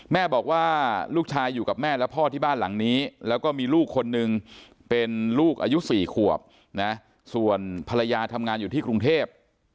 แม่บอกว่าลูกชายอยู่กับแม่และพ่อที่บ้านหลังนี้แล้วก็มีลูกคนนึงเป็นลูกอายุ๔ขวบนะส่วนภรรยาทำงานอยู่ที่กรุงเทพ